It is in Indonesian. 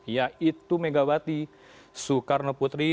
yaitu megawati soekarno putri